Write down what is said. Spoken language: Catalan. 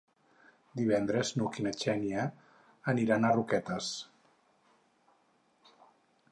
Divendres n'Hug i na Xènia aniran a Roquetes.